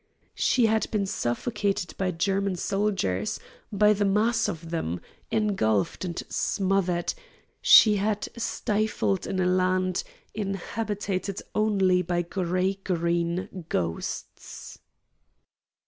She had been suffocated by German soldiers, by the mass of them, engulfed and smothered; she had stifled in a land inhabited only by gray green ghosts.